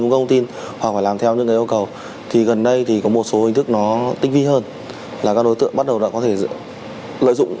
công ty hoặc phải làm theo những cái yêu cầu thì gần đây thì có một số hình thức nó tích vi hơn là các đối tượng bắt đầu đã có thể lợi dụng